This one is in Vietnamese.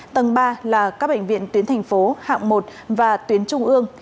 tầng ba là các bệnh viện tuyến thành phố hạng một và tuyến trung ương